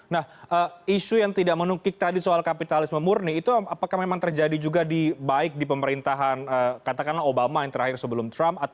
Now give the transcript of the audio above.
nah isu yang tidak menukik tadi soal kapitalisme murni itu apakah memang terjadi juga di baik di pemerintahan katakanlah obama yang terakhir sebelum trump